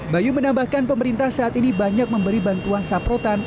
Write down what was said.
bayu menambahkan pemerintah saat ini banyak memberi bantuan saprotan